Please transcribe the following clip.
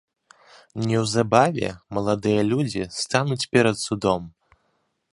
Неўзабаве маладыя людзі стануць перад судом.